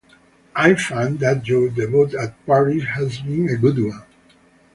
I find that your debut at Paris has been a good one.